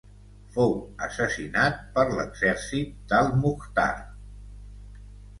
Fou assassinat per l'exèrcit d'Al-Mukhtar.